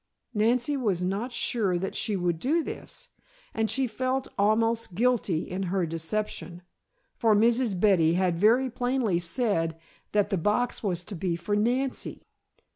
Nancy was not sure that she would do this, and she felt almost guilty in her deception, for Mrs. Betty had very plainly said that the box was to be for Nancy.